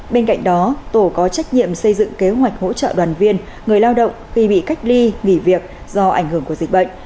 bên cạnh đó tổ có trách nhiệm xây dựng kế hoạch hỗ trợ đoàn viên người lao động khi bị cách ly nghỉ việc do ảnh hưởng của dịch bệnh